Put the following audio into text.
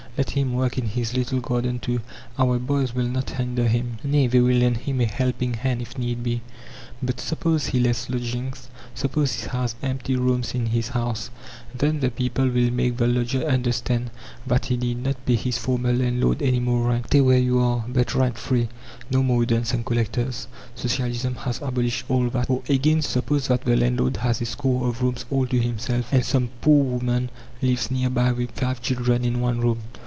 Let him work in his little garden, too; our "boys" will not hinder him nay, they will lend him a helping hand if need be. But suppose he lets lodgings, suppose he has empty rooms in his house; then the people will make the lodger understand that he need not pay his former landlord any more rent. Stay where you are, but rent free. No more duns and collectors; Socialism has abolished all that! Or again, suppose that the landlord has a score of rooms all to himself, and some poor woman lives near by with five children in one room.